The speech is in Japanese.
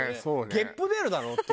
ゲップ出るだろっていう。